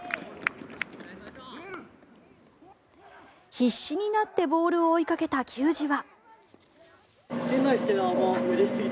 必死になってボールを追いかけた球児は。